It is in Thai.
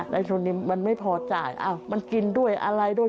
แล้วทุนนี้มันไม่พอจ่ายอ้าวมันกินด้วยอะไรด้วย